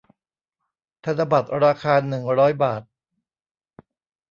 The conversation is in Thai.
ธนบัตรราคาหนึ่งร้อยบาท